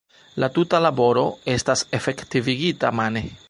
La tuta laboro estas efektivigita mane.